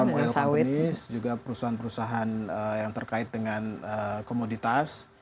palm oil palm oil juga perusahaan perusahaan yang terkait dengan komoditas